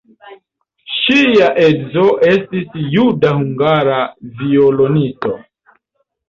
Ŝia edzo estis juda-hungara violonisto.